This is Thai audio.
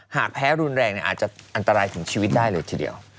หากแพ้รุนแรงอาจจะอันตรายถึงชีวิตได้เลยทีเดียว